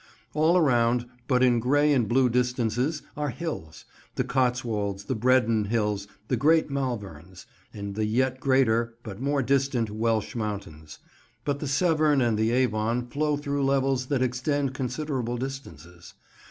All around, but in grey and blue distances, are hills: the Cotswolds, the Bredon Hills, the greater Malverns, and the yet greater, but more distant Welsh mountains; but the Severn and the Avon flow through levels that extend considerable distances.